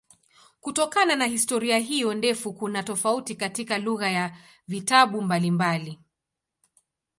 Kutokana na historia hiyo ndefu kuna tofauti katika lugha ya vitabu mbalimbali.